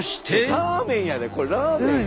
ラーメンやでこれラーメン！